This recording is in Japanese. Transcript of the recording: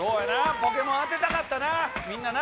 『ポケモン』当てたかったなみんなな。